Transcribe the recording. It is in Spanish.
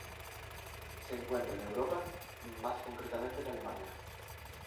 Se encuentra en Europa, más concretamente en Alemania.